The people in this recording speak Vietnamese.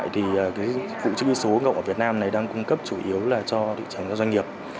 dịch vụ chữ ký số ngộng ở việt nam này đang cung cấp chủ yếu là cho thị trường doanh nghiệp